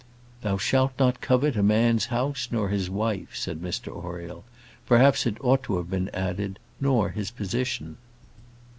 "Thou shalt not covet a man's house, nor his wife," said Mr Oriel; "perhaps it ought to have been added, nor his position."